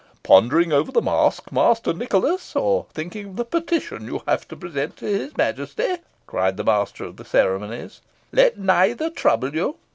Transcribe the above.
pondering over the masque, Master Nicholas, or thinking of the petition you have to present to his Majesty?" cried the master of the ceremonies, "Let neither trouble you.